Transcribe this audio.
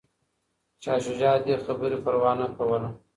شاه شجاع د دې خبرې پروا نه کوله.